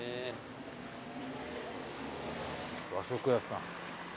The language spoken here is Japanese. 和食屋さん。